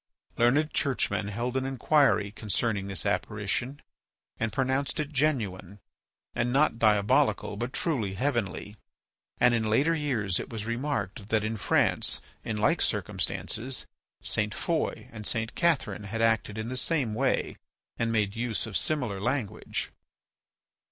Learned churchmen held an inquiry concerning this apparition, and pronounced it genuine, and not diabolical but truly heavenly, and in later years it was remarked that in France, in like circumstances, St. Foy and St. Catherine had acted in the same way and made use of similar language.